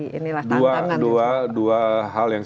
tantangan dua hal yang